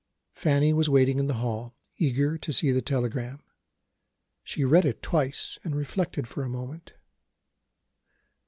Fanny was waiting in the hall, eager to see the telegram. She read it twice and reflected for a moment.